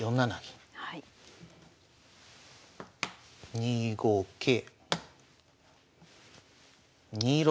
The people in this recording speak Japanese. ２五桂２六